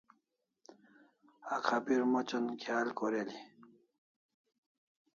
Akhabir mochan khial koreli